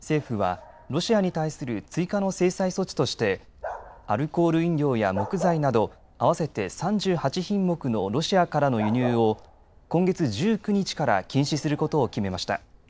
政府はロシアに対する追加の制裁措置としてアルコール飲料や木材など合わせて３８品目のロシアからの輸入を今月１９日から禁止することを決めました。